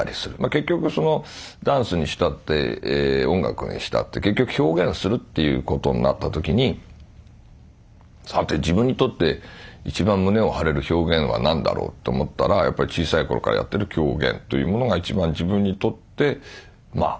結局ダンスにしたって音楽にしたって結局表現するということになった時にさて自分にとって一番胸を張れる表現は何だろうと思ったらやっぱり小さい頃からやっている狂言というものが一番自分にとってまあ